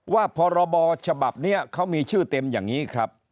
พรบฉบับนี้เขามีชื่อเต็มอย่างนี้ครับ